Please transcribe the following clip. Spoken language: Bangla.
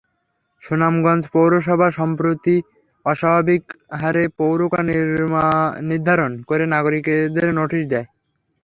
সুনামগঞ্জ পৌরসভা সম্প্রতি অস্বাভাবিক হারে পৌরকর নির্ধারণ করে নাগরিকদের নোটিশ দেয়।